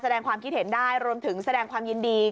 แสดงความคิดเห็นได้รวมถึงแสดงความยินดี